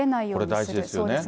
これ大事ですよね。